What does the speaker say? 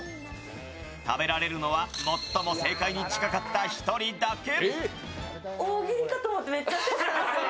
食べられるのは、最も正解に近かった１人だけ。